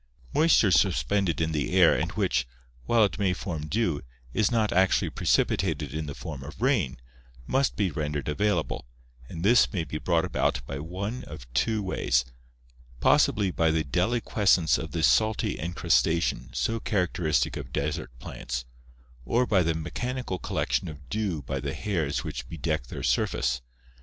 Moisture suspended in the air and which, while it may form dew, is not actually precipitated in the form of rain, must be ren dered available, and this may be brought about by one of two DESERT ADAPTATION 395 ways, possibly by the deliquescence of the salty encrustation so characteristic of desert plants or by the mechanical collection of dew by the hairs which bedeck their surface.